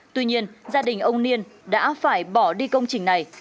tuy nhiên gia đình ông niên đã phải bỏ đi công trình này